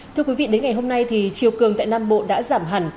thưa quý vị đến ngày hôm nay thì chiều cường tại nam bộ đã giảm hẳn